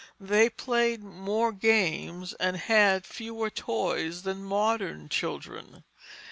They played more games, and had fewer toys than modern children.